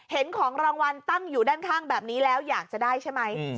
เห็นของรางวัลตั้งอยู่ด้านข้างแบบนี้แล้วอยากจะได้ใช่ไหม